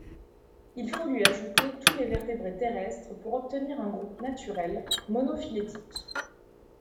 Il faut lui ajouter tous les vertébrés terrestres pour obtenir un groupe naturel, monophylétique.